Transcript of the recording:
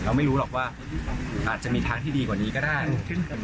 ไม่รู้หรอกว่าอาจจะมีทางที่ดีกว่านี้ก็ได้